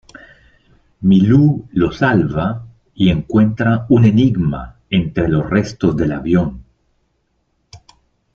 Milú lo salva y encuentra un enigma entre los restos del avión.